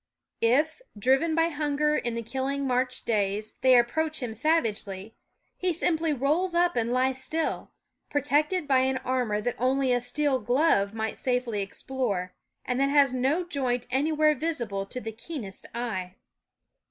If, driven by hunger in the killing March days, they approach him savagely, he simply rolls up and lies still, protected by an armor that only a steel glove might safely explore, and that has no joint anywhere visible to the keenest eye.